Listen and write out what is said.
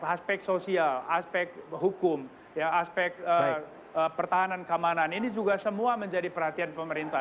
aspek sosial aspek hukum aspek pertahanan keamanan ini juga semua menjadi perhatian pemerintah